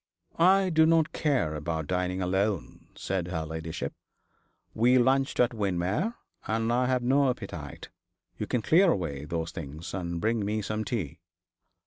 'I do not care about dining alone,' said her ladyship. 'We lunched at Windermere, and I have no appetite. You can clear away those things, and bring me some tea.'